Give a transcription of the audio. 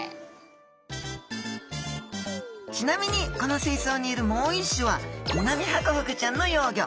ちなみにこの水槽にいるもう一種はミナミハコフグちゃんの幼魚。